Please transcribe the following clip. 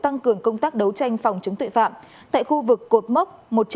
tăng cường công tác đấu tranh phòng chống tội phạm tại khu vực cột mốc một trăm sáu mươi